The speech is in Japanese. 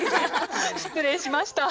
失礼しました。